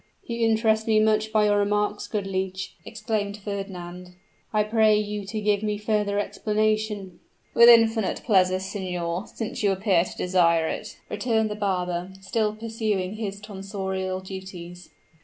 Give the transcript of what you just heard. "You interest me much by your remarks, good leech," exclaimed Fernand; "I pray you to give me further explanation." "With infinite pleasure, signor, since you appear to desire it," returned the barber, still pursuing his tonsorial duties.